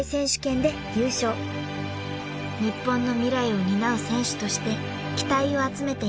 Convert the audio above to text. ［日本の未来を担う選手として期待を集めていました］